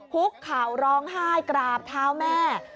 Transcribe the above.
คุกเข่าร้องไห้กราบเท้าแม่